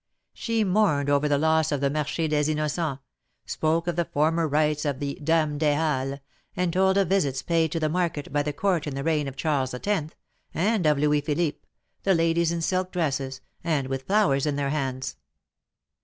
She mourned over the loss of the Marche des Innocents, spoke of the former rights of the Dames des HalleSj and told of visits paid to the market by the Court in the reign of Charles X. and of Louis Philippe, the ladies in silk dresses, and with flowers in their hands.